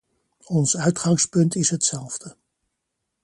Ons uitgangspunt is hetzelfde.